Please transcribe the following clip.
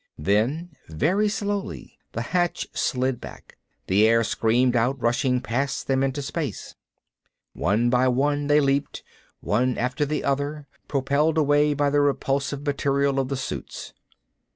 Then, very slowly, the hatch slid back. The air screamed out, rushing past them into space. One by one they leaped, one after the other, propelled away by the repulsive material of the suits.